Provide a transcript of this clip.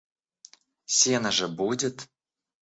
Сено же будет!